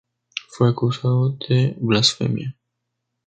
Fue acusado de blasfemia.